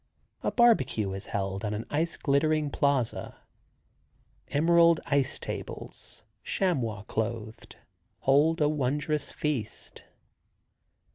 A barbecue is held on an ice glittering plaza. Emerald ice tables, chamois clothed, hold a wondrous feast.